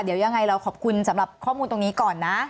เดี๋ยวยังไงเราขอบคุณสำหรับข้อมูลตรงนี้ก่อนนะ